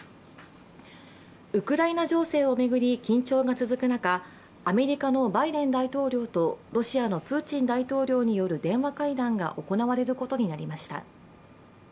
ウクライナ情勢を巡り緊張が続く中、アメリカのバイデン大統領とロシアのプーチン大統領による電話会談が行われることになりました。